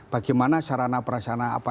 bagaimana sarana perasaan apa